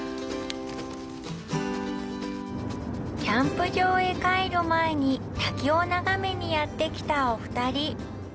キャンプ場へ帰る前にを眺めにやってきたお二人。